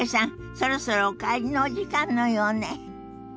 そろそろお帰りのお時間のようね。